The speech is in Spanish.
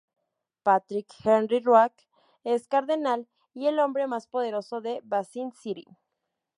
Patrick Henry Roark es cardenal y el hombre más poderoso de Basin City.